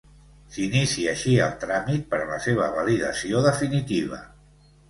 S'inicia així el tràmit per a la seva validació definitiva.